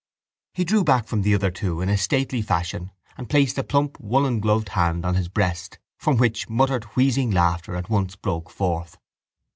He drew back from the other two in a stately fashion and placed a plump woollen gloved hand on his breast from which muttered wheezing laughter at once broke forth.